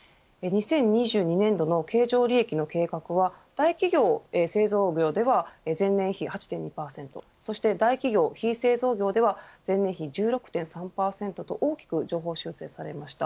２０２２年度の経常利益の計画は大企業、製造業では前年比８．２％そして大企業、非製造業では前年比１６．３％と大きく上方修正されました。